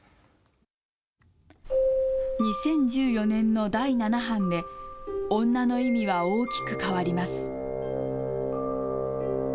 ２０１４年の第七版で女の意味は大きく変わります。